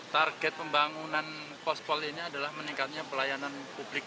target pembangunan pos pol ini adalah meningkatnya pelayanan publik